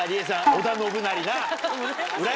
織田信成な。